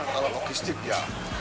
kalau logistik ya